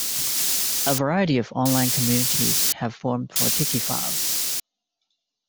A variety of online communities have formed for tikiphiles.